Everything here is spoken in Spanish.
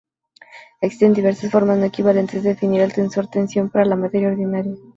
Existen diversas formas no equivalentes de definir el tensor tensión para la materia ordinaria.